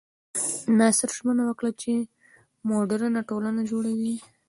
ناصر ژمنه وکړه چې موډرنه ټولنه جوړوي.